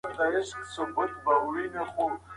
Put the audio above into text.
ايا ستاسي پلان تر دې پلان دقيق دی؟